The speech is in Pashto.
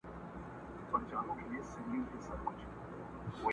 د شپې ویښ په ورځ ویده نه په کارېږي؛